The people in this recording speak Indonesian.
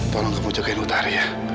tolong kamu jagain utari ya